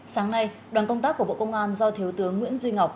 sáng nay đoàn công tác của bộ công an do thiếu tướng nguyễn duy ngọc